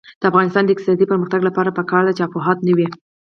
د افغانستان د اقتصادي پرمختګ لپاره پکار ده چې افواهات نه وي.